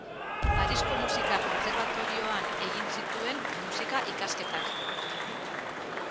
Parisko Musika Kontserbatorioan egin zituen musika-ikasketak.